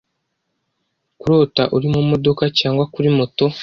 kurota uri mu modoka cyangwa kuri moto